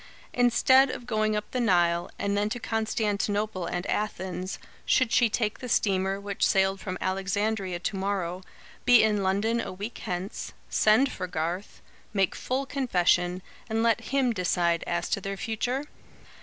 Instead of going up the Nile, and then to Constantinople and Athens, should she take the steamer which sailed from Alexandria to morrow, be in London a week hence, send for Garth, make full confession, and let him decide as to their future?